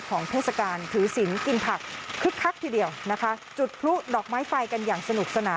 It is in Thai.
ของเทศกาลถือสินกินผักคึกครักทีเดียวนะคะจุดพลุดเลาะไม้คล้ายกันอย่างสนุกสนาน